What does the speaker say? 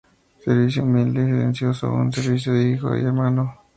Servicio humilde y silencioso, un servicio de hijo y de hermano.